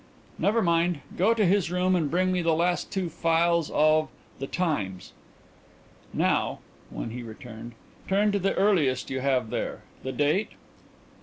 "Never mind. Go to his room and bring me the last two files of The Times. Now" when he returned "turn to the earliest you have there. The date?"